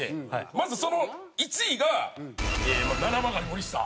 まずその１位がななまがり森下。